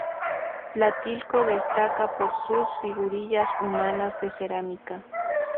Tlatilco destaca por sus figurillas humanas de cerámica.